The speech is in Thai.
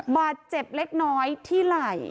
บาดเจ็บเล็กน้อยที่ไหล่